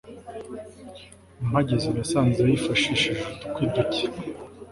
mpageze nasanze yifatishije udukwi duke